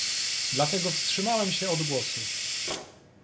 Dlatego wstrzymałem się od głosu